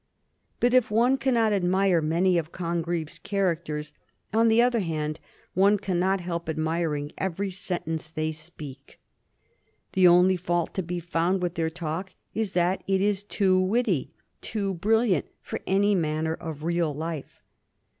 But if one cannot admire many of Congreve's characters, on the other hand one cannot help admiring every sentence they speak. The only fault to be found with their talk is that it is too witty, too brilliant, for any manner of real life.